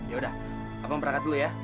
yaudah abang berangkat dulu ya